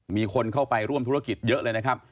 มีคนเข้าไปร่วมธุรกิจเยอะเลยนะครับ